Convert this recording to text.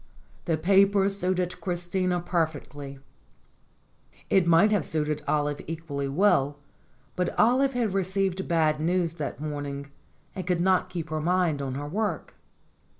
The paper suited Christina perfectly. It would have suited Olive equally well, but Olive had received bad news that morning, and could not keep her mind on her work.